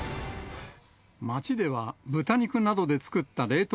街では豚肉などで作った冷凍